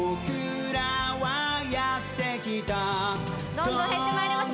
どんどん減ってまいります